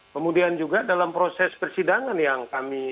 kemudian juga dalam proses persidangan yang kami